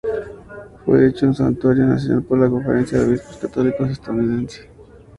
Fue hecho un santuario nacional por la Conferencia de Obispos Católicos estadounidense.